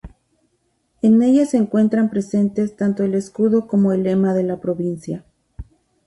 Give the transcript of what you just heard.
En ella se encuentran presentes tanto el escudo como el lema de la provincia.